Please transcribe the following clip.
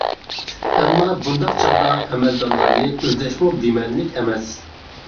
ئەمما بۇنداق چاغدا ئەمەلدارلارنى ئىزدەشمۇ بىمەنىلىك ئەمەس.